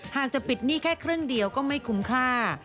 หากจะปิดหนี้แค่ครึ่งเดียวก็ไม่คุ้มค่า